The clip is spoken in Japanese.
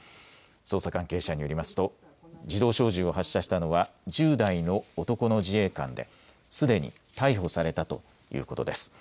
捜査関係者によりますと自動小銃を発射したのは１０代の男の自衛官ですでに逮捕されたということです。